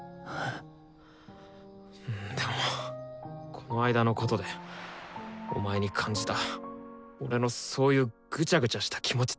この間のことでお前に感じた俺のそういうぐちゃぐちゃした気持ち